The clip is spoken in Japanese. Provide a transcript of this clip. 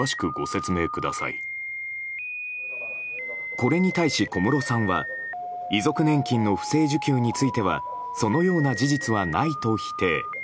これに対し、小室さんは遺族年金の不正受給についてはそのような事実はないと否定。